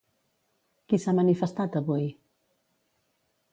Qui s'ha manifestat avui?